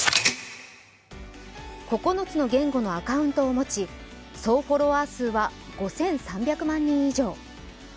９つの言語のアカウントを持ち、総フォロワー数は５３００万人以上。